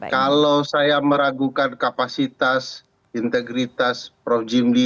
kalau saya meragukan kapasitas integritas prof jimli